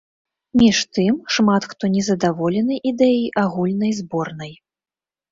Між тым шмат хто незадаволены ідэяй агульнай зборнай.